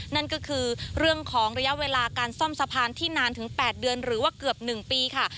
นั่นก็คือเรื่องของระยะเวลาการซ่อมสะพานที่นานถึง๘เดือนหรือว่าเกือบ๑ปีค่ะ